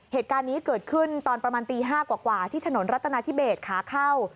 เหตุการณ์นี้เกิดขึ้นตอนประมาณตี๕กว่าที่ถนนรัฐนาธิเบสขาเข้า